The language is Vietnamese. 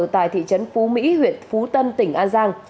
tại thị trấn phú mỹ huyện phú tân tỉnh an giang